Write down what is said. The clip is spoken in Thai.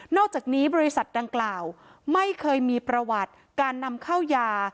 อกจากนี้บริษัทดังกล่าวไม่เคยมีประวัติการนำเข้ายา